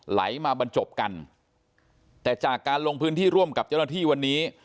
ไหลมาบรรจบกันแต่จากการลงพื้นที่ร่วมกับเจ้าหน้าที่วันนี้